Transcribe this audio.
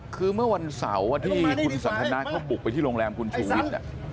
คือเมื่อวันเสาร์ที่คุณสันทนาเขาบุกไปที่โรงแรมคุณชูวิทย์